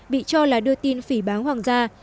bị cho là đưa tin phỉ bán hoàng gia